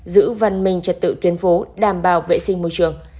giữ văn minh trật tự tuyến phố đảm bảo vệ sinh môi trường